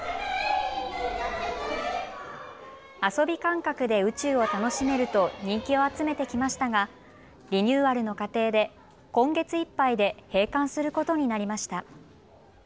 遊び感覚で宇宙を楽しめると人気を集めてきましたがリニューアルの過程で今月いっぱいで閉館することになりました。